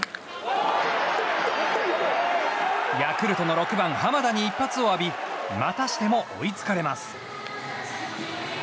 ヤクルトの６番、濱田に一発を浴びまたしても追いつかれます。